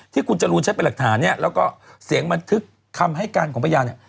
ที่คุณจรูนใช้เป็นหลักฐานเนี่ยแล้วก็เสียงบันทึกคำให้การของพยานเนี่ย